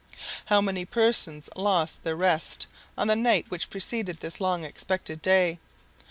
How many persons lost their rest on the night which preceded this long expected day!